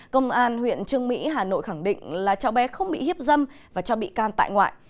công an huyện trương mỹ hà nội khẳng định là cháu bé không bị hiếp dâm và cho bị can tại ngoại